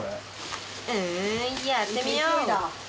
んやってみよう！